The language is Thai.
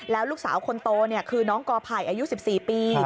แล้วลูกสาวคนโตคือน้องกอไผ่อายุ๑๔ปี